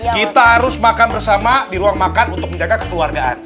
kita harus makan bersama di ruang makan untuk menjaga kekeluargaan